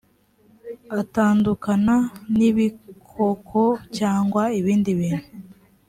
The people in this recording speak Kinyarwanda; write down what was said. atandukana n ibikoko cyangwa ibindi bintu